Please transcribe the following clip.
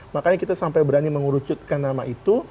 makanya kita sampai berani mengerucutkan nama itu